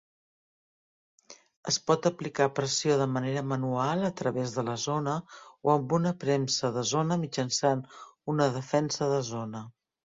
Es pot aplicar pressió de manera manual a través de la zona o amb una premsa de zona mitjançant una defensa de zona.